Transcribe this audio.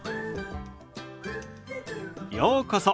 ようこそ。